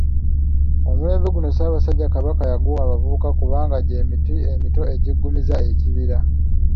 Omulembe guno Ssaabasajja Kabaka yaguwa abavubuka kubanga gy'emiti emito egiggumizza ekibira.